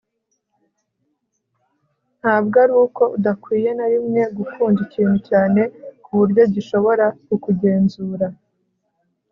ntabwo ari uko udakwiye na rimwe gukunda ikintu cyane ku buryo gishobora kukugenzura